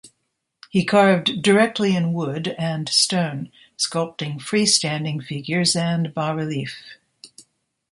He carved directly in wood and stone, sculpting free-standing figures and bas relief.